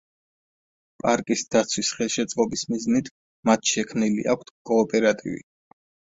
პარკის დაცვის ხელშეწყობის მიზნით, მათ შექმნილი აქვთ კოოპერატივი.